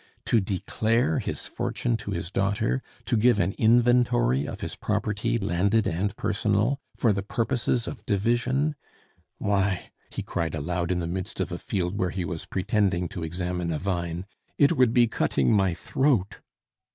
To declare his fortune to his daughter, to give an inventory of his property, landed and personal, for the purposes of division "Why," he cried aloud in the midst of a field where he was pretending to examine a vine, "it would be cutting my throat!"